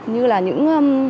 như là những